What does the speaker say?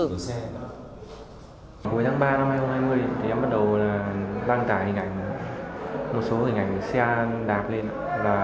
hồi tháng ba năm hai nghìn hai mươi thì em bắt đầu đăng tải hình ảnh một số hình ảnh xe đạp lên và